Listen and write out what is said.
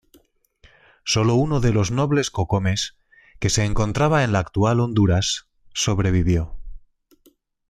Solo uno de los nobles cocomes, que se encontraba en la actual Honduras, sobrevivió.